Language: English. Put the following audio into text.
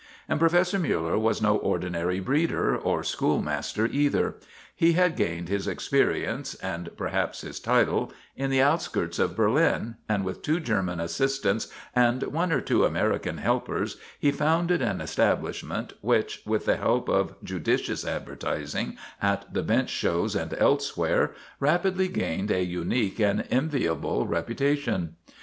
And Professor Miiller was no ordinary breeder, or schoolmaster either. He had gained his experience and per haps his title in the outskirts of Berlin, and with two German assistants and one or two American helpers he founded an establishment which, with the help of judicious advertising at the bench shows and elsewhere, rapidly gained a unique and enviable reputation.